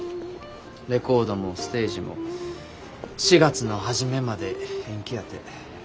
レコードもステージも４月の初めまで延期やて。